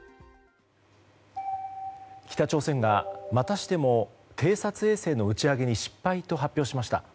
北朝鮮がまたしても偵察衛星の打ち上げに失敗と発表しました。